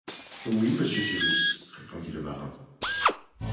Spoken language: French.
Oui, monsieur Cyrus, répondit le marin.